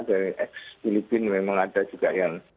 dari ex filipina memang ada juga yang